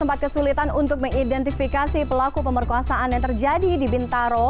sempat kesulitan untuk mengidentifikasi pelaku pemerkosaan yang terjadi di bintaro